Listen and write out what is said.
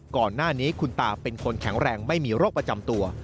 ก่อนหน้านี้คุณตาเป็นคนแข็งแรงไม่มีโรคประจำตัว